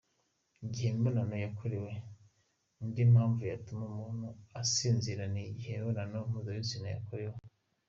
Igihe imibonano yakorewe: Indi mpamvu yatuma umuntu asinzira ni igihe imibonano mpuzabitsina yakorewe.